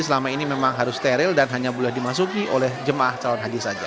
selama ini memang harus steril dan hanya boleh dimasuki oleh jemaah calon haji saja